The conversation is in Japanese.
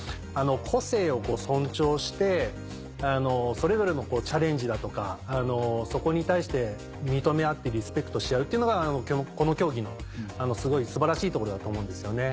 個性を尊重してそれぞれのチャレンジだとかそこに対して認め合ってリスペクトし合うっていうのがこの競技のすごい素晴らしいところだと思うんですよね。